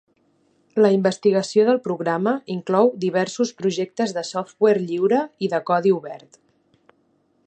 La investigació del programa inclou diversos projectes de software lliure i de codi obert.